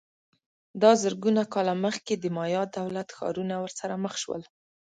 دا زرګونه کاله مخکې د مایا دولت ښارونه ورسره مخ شول